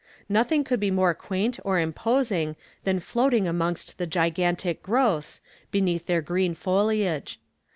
Nothing could be more quaint or imposing than floating amongst the gigantic growths, beneath their green foliage.